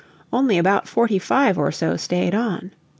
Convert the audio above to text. Only about forty five or so stayed on.